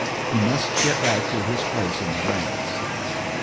He must get back to his place in the ranks.